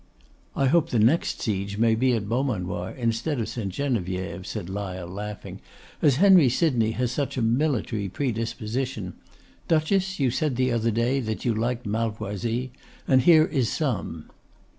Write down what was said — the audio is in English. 'I hope the next siege may be at Beaumanoir, instead of St. Geneviève,' said Lyle, laughing; 'as Henry Sydney has such a military predisposition. Duchess, you said the other day that you liked Malvoisie, and here is some.